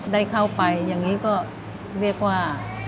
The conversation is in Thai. ได้เข้าไปอย่างนี้ก็เรียกว่า